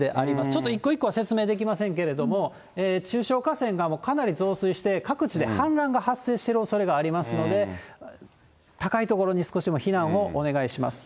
ちょっと一個一個は説明できませんけれども、中小河川がかなり増水して、各地で氾濫が発生してるおそれがありますので、高い所に少しでも避難をお願いします。